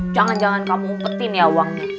jangan jangan kamu umpetin ya uangnya